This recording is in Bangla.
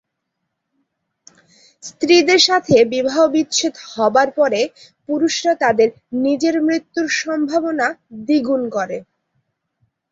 স্ত্রীদের সাথে বিবাহ বিচ্ছেদ হবার পরে পুরুষরা তাদের নিজের মৃত্যুর সম্ভাবনা দ্বিগুণ করে।